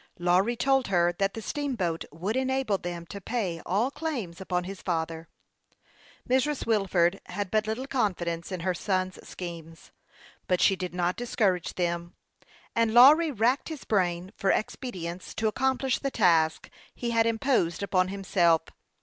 Lawry told her that the steamboat would enable them to pay all claims upon his father. Mrs. Wilford had but little confidence in her son's schemes, but she did not discourage them ; and Lawry racked his brain for expedients to accom plish the task he had imposed upon himself.